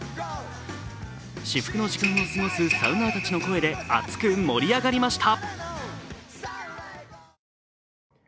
至福の時間を過ごすサウナーたちの声で熱く盛り上がりました。